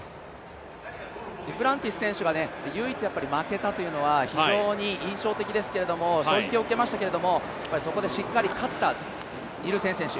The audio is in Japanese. デュプランティス選手が唯一負けたというのは、非常に印象的ですけれども、衝撃を受けましたけれども、そこでしっかり勝ったニルセン選手